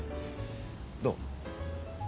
どう？